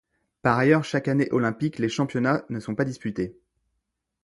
Par ailleurs, chaque année olympique, les championnats ne sont pas disputés.